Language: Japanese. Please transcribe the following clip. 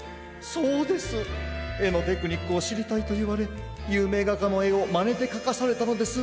そうです！えのテクニックをしりたいといわれゆうめいがかのえをまねてかかされたのです。